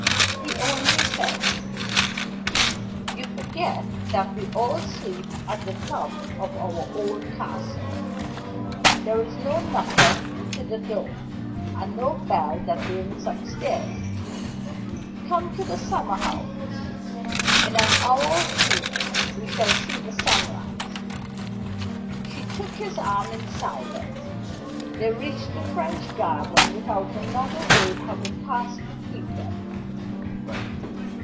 He only said, "You forget that we all sleep at the top of our old castle. There is no knocker to the door, and no bell that rings upstairs. Come to the summer house. In an hour or two more we shall see the sun rise." She took his arm in silence. They reached the French Garden without another word having passed between them.